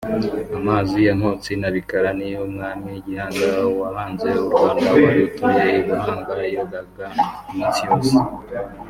Amazi ya Nkotsi na Bikara niyo umwami Gihanga wahanze u Rwanda wari utuye i Buhanga yogaga iminsi yose